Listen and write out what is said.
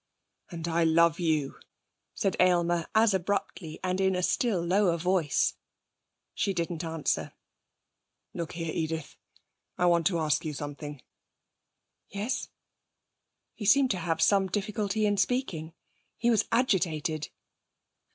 'And I love you,' said Aylmer as abruptly, and in a still lower voice. She didn't answer. 'Look here, Edith. I want to ask you something.' 'Yes.' He seemed to have some difficulty in speaking. He was agitated.